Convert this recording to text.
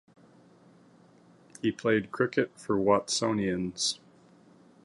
He played cricket for Watsonians.